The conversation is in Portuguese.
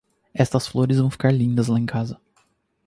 Estas flores vão ficar lindas lá em casa.